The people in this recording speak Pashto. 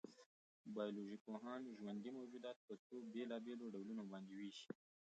بایولوژيپوهان ژوندي موجودات په څو بېلابېلو ډولونو باندې وېشي.